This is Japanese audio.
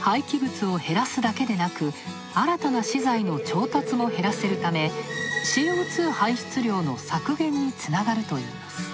廃棄物を減らすだけでなく、新たな資材の調達も減らせるため、ＣＯ２排出量の削減につながるといいます。